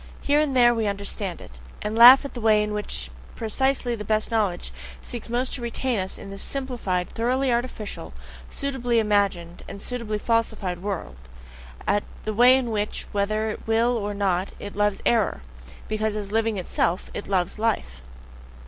Here and there we understand it, and laugh at the way in which precisely the best knowledge seeks most to retain us in this SIMPLIFIED, thoroughly artificial, suitably imagined, and suitably falsified world: at the way in which, whether it will or not, it loves error, because, as living itself, it loves life!